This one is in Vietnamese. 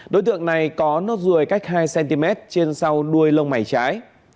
đối tượng này có nốt ruồi cách hai cm trên sau đuôi lông mày trái